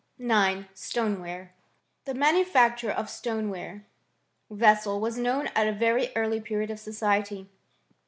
IX. STONEWARE. The manufacture of stoneware vessels was known at a very early period of society.